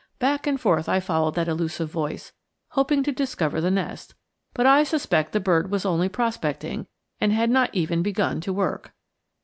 Back and forth I followed that elusive voice, hoping to discover the nest, but I suspect the bird was only prospecting, and had not even begun to work.